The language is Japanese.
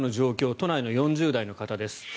都内の４０代の方です。